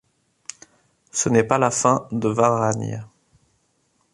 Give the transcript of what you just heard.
Ce n'est pas la fin de Varagnes.